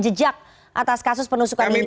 jejak atas kasus penusukan ini